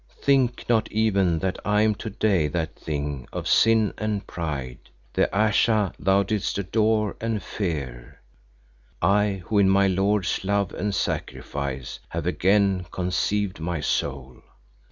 Think not even that I am today that thing of sin and pride, the Ayesha thou didst adore and fear, I who in my lord's love and sacrifice have again conceived my soul.